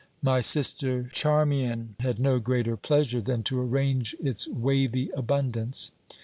My sister Charmian had no greater pleasure than to arrange its wavy abundance.